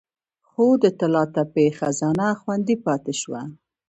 خو د طلا تپه خزانه خوندي پاتې شوه